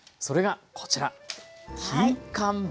それがこちら。